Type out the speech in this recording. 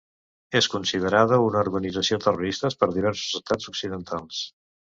És considerada una organització terrorista per diversos Estats occidentals.